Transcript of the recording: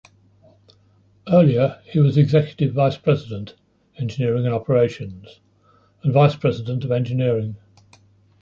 Earlier, he was Executive Vice President, Engineering and Operations; and Vice President of Engineering.